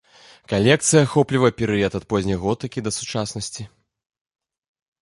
Калекцыя ахоплівае перыяд ад позняй готыкі да сучаснасці.